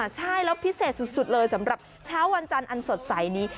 ใช่แล้วพิเศษสุดเลยสำหรับเช้าวันจันทร์อันสดใสนี้